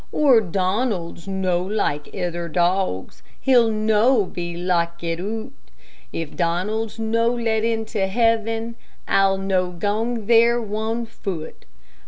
"Oor Donald's no like ither dogs, He'll no be lockit oot, If Donald's no let into heaven, I'll no gang there one foot."